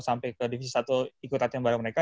sampai ke divisi satu ikut hati yang bareng mereka